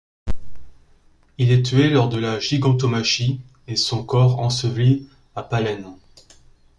Il est tué lors de la gigantomachie et son corps enseveli à Pallène.